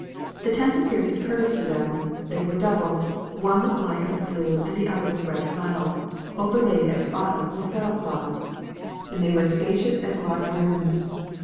The tents appeared superb to them; they were double, one was lined with blue and the other with red flannel, overlaid at the bottom with saddle cloths, and they were as spacious as large rooms.